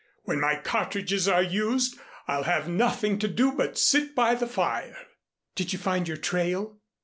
When my cartridges are used I'll have nothing to do but sit by the fire." "Did you find your trail?"